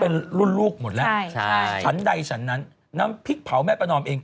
เป็นรุ่นลูกหมดแล้วใช่ใช่ฉันใดฉันนั้นน้ำพริกเผาแม่ประนอมเอง